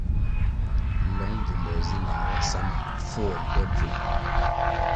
Lõng mbvimbo zi lang wa nsa ma pfuó nte bvul.